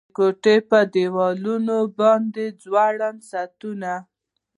د کوټو په دیوالونو باندې ځوړند ساعتونه